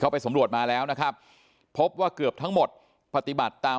ไปสำรวจมาแล้วนะครับพบว่าเกือบทั้งหมดปฏิบัติตาม